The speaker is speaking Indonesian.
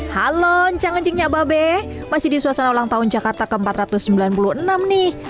halo changengnya ababe masih di suasana ulang tahun jakarta ke empat ratus sembilan puluh enam nih